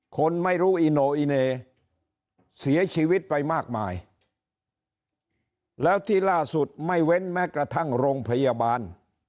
คนไม่รู้อีโนอิเนเสียชีวิตไปมากมายแล้วที่ล่าสุดไม่เว้นแม้กระทั่งโรงพยาบาล